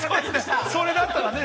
◆それだったらね。